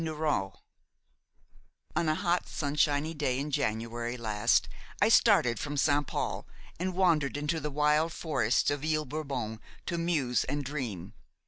NERAUD On a hot, sunshiny day in January last I started from Saint Paul and wandered into the wild forests of Ile Bourbon to muse and dream.